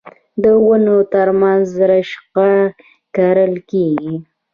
د ونو ترمنځ رشقه کرل کیږي.